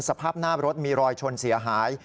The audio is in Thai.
สภาพหน้ารถมีรอยชนเสียหาย